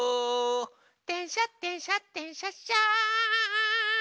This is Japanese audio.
「でんしゃでんしゃでんしゃっしゃ」